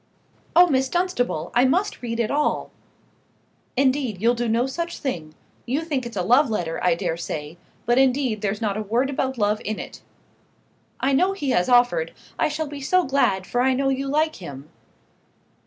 "Oh, Miss Dunstable! I must read it all." "Indeed you'll do no such thing. You think it's a love letter, I dare say; but indeed there's not a word about love in it." "I know he has offered. I shall be so glad, for I know you like him."